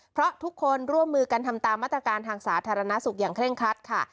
เพราะทุกคนร่วมมือกันทำตามมาตรการทางสาธารณสุขอย่างเคร่งครัดค่ะ